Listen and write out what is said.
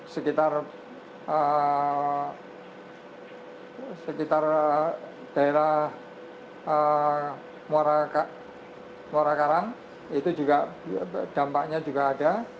sekitar daerah muara karang itu juga dampaknya juga ada